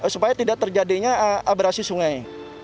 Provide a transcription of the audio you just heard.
supaya tidak terjadinya abrasi sungai